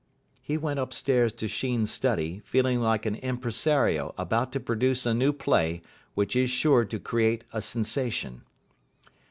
He went upstairs to Sheen's study, feeling like an impresario about to produce a new play which is sure to create a sensation.